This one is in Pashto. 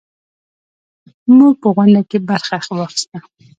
موږ په غونډه کې برخه واخیسته.